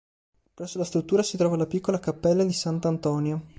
Presso la struttura si trova la piccola cappella di Sant'Antonio.